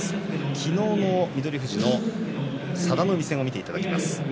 昨日の翠富士、佐田の海戦を見ていただきます。